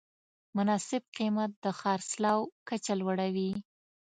مناسب قیمت د خرڅلاو کچه لوړوي.